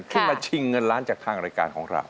ที่มาชิงเงินล้านจากทางรายการของเรา